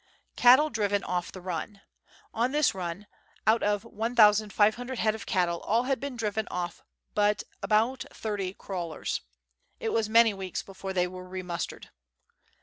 Cattle driven off tJie Run. On this run, out of 1,500 head of cattle, all had been driven off but about 30 " crawlers." It was many weeks before they were re mustered.